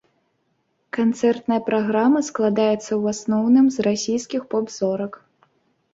Канцэртная праграма складаецца, у асноўным, з расійскіх поп-зорак.